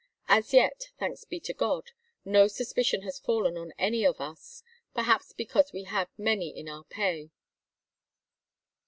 As yet, thanks be to God, no suspicion has fallen on any of us; perhaps because we have many in our pay."